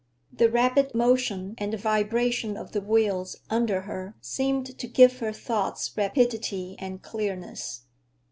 The rapid motion and the vibration of the wheels under her seemed to give her thoughts rapidity and clearness.